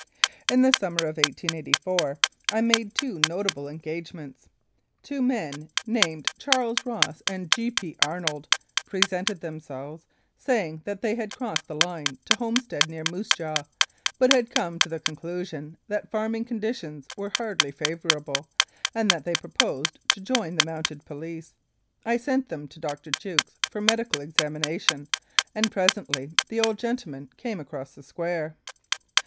In the summer of 1884 I made two notable engage 1884. Regina ments. Two men named Charles Ross and G. P. Arnold presented themselves, saying that they had crossed the line to homestead near Moose Jaw, but had come to the conclusion that farming conditions were hardly favourable, and that they proposed to join the Mounted Police. I sent them to Dr. Jukes for medical examination, and presently the old gentleman came across the square.